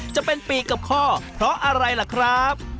จะเป็นปีกกับข้อเพราะอะไรล่ะครับ